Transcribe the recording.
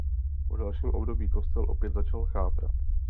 V dalším období kostel opět začal chátrat.